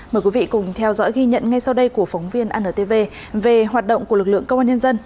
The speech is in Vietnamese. mời quý vị cùng theo dõi ghi nhận ngay sau đây của phóng viên antv về hoạt động của lực lượng công an nhân dân